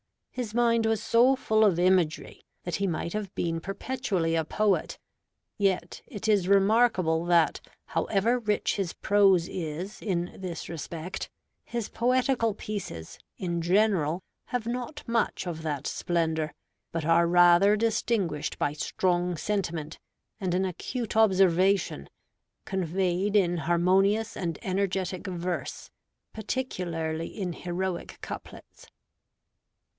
His mind was so full of imagery that he might have been perpetually a poet; yet it is remarkable that however rich his prose is in this respect, his poetical pieces, in general, have not much of that splendor, but are rather distinguished by strong sentiment and an acute observation, conveyed in harmonious and energetic verse, particularly in heroic couplets.